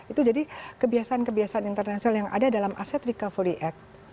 itu jadi kebiasaan kebiasaan internasional yang ada dalam aset recovery act